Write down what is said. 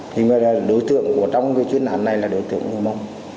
thì đối tượng trong chuyến đoàn này là đối tượng người mông